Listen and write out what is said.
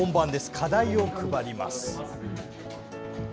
課題を配ります。